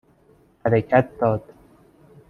حرکت داد